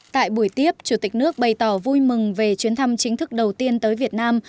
tại buổi tiếp chủ tịch nước bày tỏ vui mừng về chuyến thăm chính thức đầu tiên tới việt nam